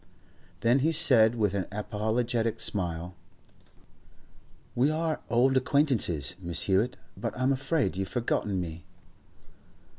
Then he said with an apologetic smile: 'We are old acquaintances, Miss Hewett, but I'm afraid you've forgotten me.